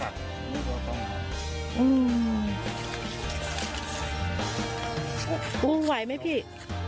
คุณลุงไหวไหมพี่